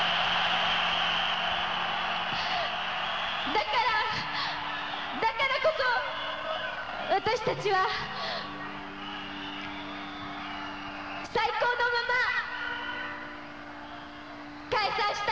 だからだからこそ私たちは最高のまま解散したいと思います。